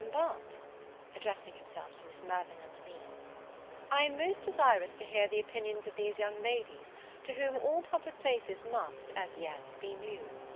But," addressing himself to Miss Mirvan and me, "I am most desirous to hear the opinions of these young ladies, to whom all public places must, as yet, be new."